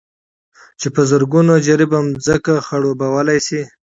چې په زرگونو جرېبه ځمكه خړوبولى شي،